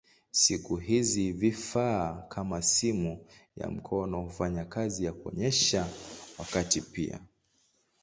Siku hizi vifaa kama simu ya mkononi hufanya kazi ya kuonyesha wakati pia.